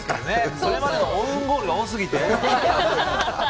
それまでのオウンゴールが多すぎて。